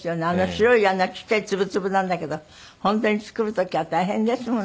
白いあんなちっちゃい粒々なんだけど本当に作る時は大変ですものね。